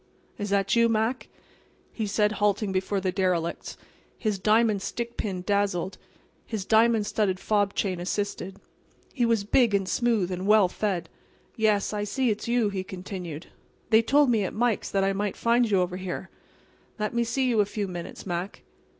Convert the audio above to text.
"Is that you, Mac?" he said, halting before the derelicts. His diamond stickpin dazzled. His diamond studded fob chain assisted. He was big and smooth and well fed. "Yes, I see it's you," he continued. "They told me at Mike's that I might find you over here. Let me see you a few minutes, Mac."